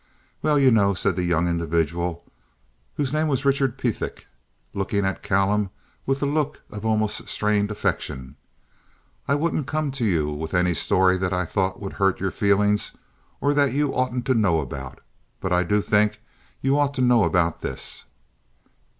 "Well, you know," said the young individual, whose name was Richard Pethick, looking at Callum with a look of almost strained affection, "I wouldn't come to you with any story that I thought would hurt your feelings or that you oughtn't to know about, but I do think you ought to know about this."